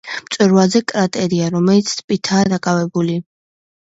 მწვერვალზე კრატერია, რომელიც ტბითაა დაკავებული.